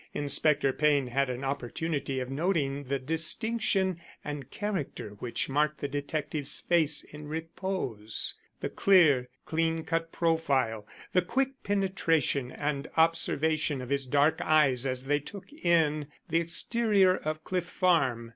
Inspector Payne had an opportunity of noting the distinction and character which marked the detective's face in repose: the clear, clean cut profile, the quick penetration and observation of his dark eyes as they took in the exterior of Cliff Farm.